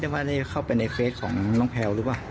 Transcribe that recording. ว่าจะเข้าไปในเฟสของน้องแพลวหรือเปล่า